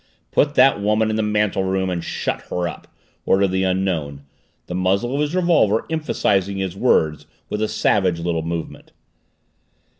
"Put that woman in the mantel room and shut her up!" ordered the Unknown, the muzzle of his revolver emphasizing his words with a savage little movement.